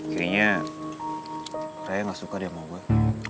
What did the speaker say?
kayaknya raya gak suka dia mau gue